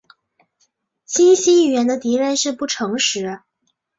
清晰语言的敌人是不诚实。